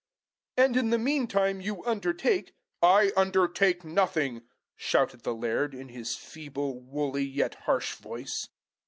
"And in the mean time you undertake " "I undertake nothing," shouted the laird, in his feeble, woolly, yet harsh voice.